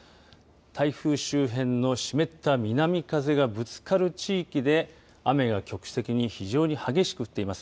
台風周辺の湿った南風がぶつかる地域で雨が局地的に非常に激しく降っています。